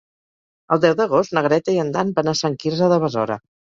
El deu d'agost na Greta i en Dan van a Sant Quirze de Besora.